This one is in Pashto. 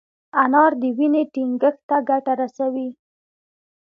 انار د وینې ټينګښت ته ګټه رسوي.